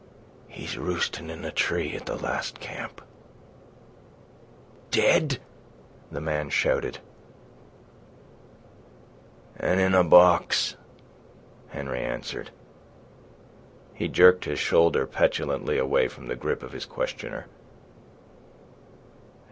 ... He's roostin' in a tree at the last camp." "Dead?" the man shouted. "An' in a box," Henry answered. He jerked his shoulder petulantly away from the grip of his questioner.